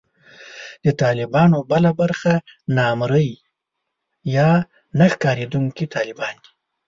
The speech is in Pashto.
د طالبانو بله برخه نامرئي یا نه ښکارېدونکي طالبان دي